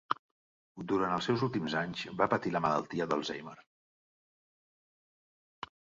Durant els seus últims anys va patir la malaltia d'Alzheimer.